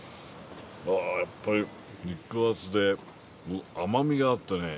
ああやっぱり肉厚で甘みがあってね